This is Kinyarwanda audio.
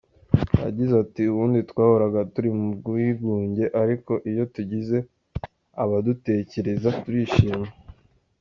Yagize ati “Ubundi twahoraga turi mu bwigunge ariko iyo tugize abadutekereza turishima.